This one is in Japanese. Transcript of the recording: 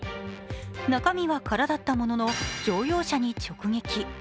中身は空だったものの、乗用車に直撃。